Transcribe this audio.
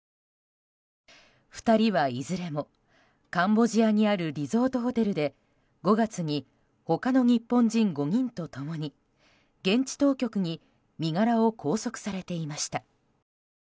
２人は、いずれもカンボジアにあるリゾートホテルで５月に、他の日本人５人と共に現地当局に身柄を拘束されていました。